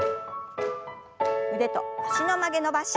腕と脚の曲げ伸ばし。